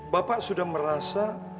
bapak sudah merasa